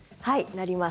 なります。